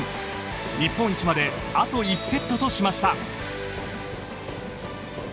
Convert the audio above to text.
日本一まであと１セットとしました。